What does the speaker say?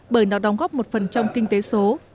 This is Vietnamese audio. bởi nó đóng góp một phần trong kinh tế số